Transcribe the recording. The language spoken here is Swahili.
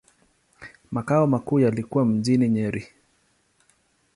Makao makuu yalikuwa mjini Nyeri.